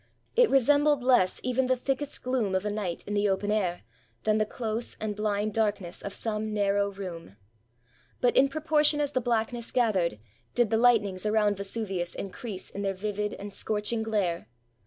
It resembled less even the thickest gloom of a night in the open air than the close and bhnd dark ness of some narrow room. But in proportion as the blackness gathered, did the lightnings around Vesuvius increase in their vivid and scorching glare.